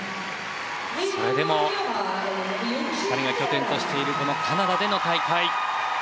それでも２人が拠点としているこのカナダでの大会。